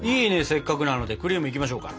せっかくなのでクリームいきましょうか。